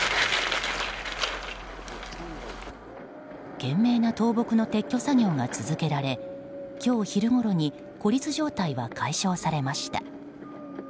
懸命な倒木の撤去作業が続けられ今日昼ごろに孤立状態は解消されました。